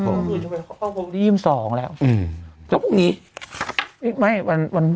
ขอบคุณทำให้เข้าบริมสองแล้วอืมแล้วพรุ่งนี้อีกไม่วันวัน